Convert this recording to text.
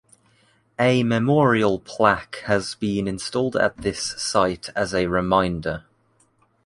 A memorial plaque has been installed at this site as a reminder.